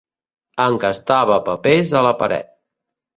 Encastava papers a la paret.